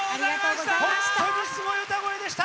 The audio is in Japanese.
本当にすごい歌声でした！